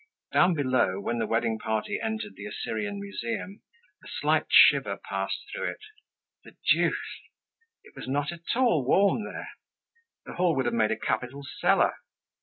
Down below, when the wedding party entered the Assyrian Museum, a slight shiver passed through it. The deuce! It was not at all warm there; the hall would have made a capital cellar.